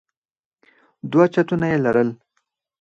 دوه چتونه يې لرل.